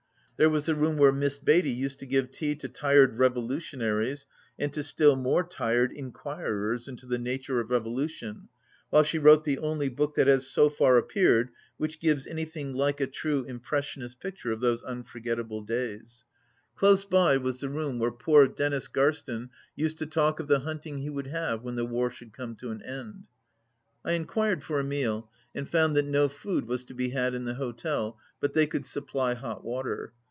There was the room where Miss Beatty used to give tea to tired revolutionaries and to still more tired enquirers into the nature of revolution while she wrote the only book that has so far appeared which gives anything like a true impres ionist picture of those unforgettable days.^ Close 1 "The Red Heart of Russia." 10 by was the room where poor Denis Garstin used to talk of the hunting he would have when the war should come to an end. I enquired for a meal, and found that no food was to be had in the hotel, but they could supply hot water.